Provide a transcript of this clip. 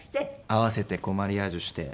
合わせてこうマリアージュして。